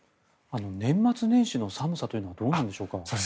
年末年始の寒さというのはどうなんでしょうか。